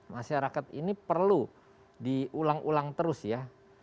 masyarakat ini perlu diulang ulang terus ya